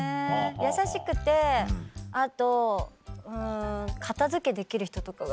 優しくてあとうん片付けできる人とかがいい。